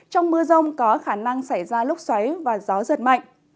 trong mưa rông có khả năng xảy ra lúc xoáy và gió giật mạnh